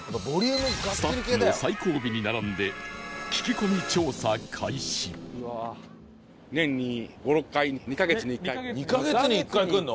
スタッフも最後尾に並んで聞き込み調査開始２カ月に１回来るの？